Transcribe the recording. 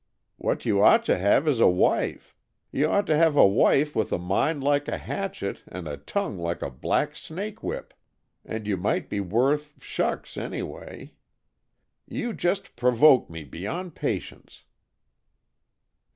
What you ought to have is a wife. You ought to have a wife with a mind like a hatchet and a tongue like a black snake whip, and you might be worth shucks, anyway. You just provoke me beyond patience."